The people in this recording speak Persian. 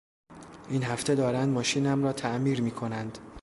این هفته دارند ماشینم را تعمیر میکنند.